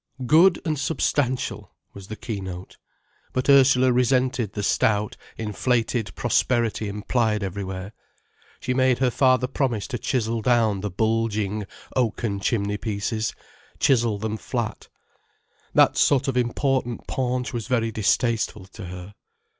"Good and substantial," was the keynote. But Ursula resented the stout, inflated prosperity implied everywhere. She made her father promise to chisel down the bulging oaken chimney pieces, chisel them flat. That sort of important paunch was very distasteful to her.